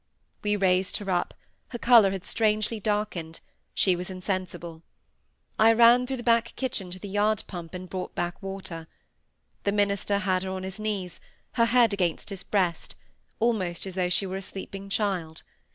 We raised her up; her colour had strangely darkened; she was insensible. I ran through the back kitchen to the yard pump, and brought back water. The minister had her on his knees, her head against his breast, almost as though she were a sleeping child.